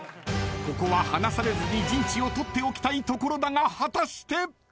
［ここは離されずに陣地を取っておきたいところだが果たして！？］